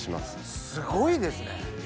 すごいですね。